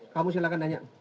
kamu silahkan tanya